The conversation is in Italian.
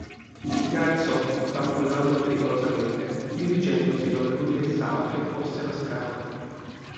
Si alzò, barcollando pericolosamente, dirigendosi dove lui pensava che fosse la scala.